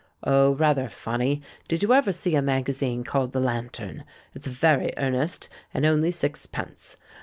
Oh, rather funny ! Did you ever see a magazine called The Lantern? It's very earnest — and only sixpence.